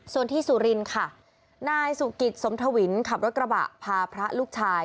ส่วนที่สุรินทร์ค่ะนายสุกิตสมทวินขับรถกระบะพาพระลูกชาย